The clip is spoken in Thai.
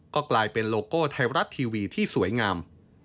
ก็กลายเป็นโลโก้ไทยรัฐทีวีที่สวยงาม